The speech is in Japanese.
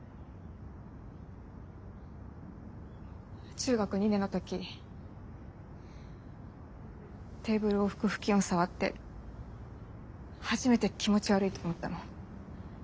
中学２年の時テーブルを拭く布巾を触って初めて気持ち悪いと思ったの。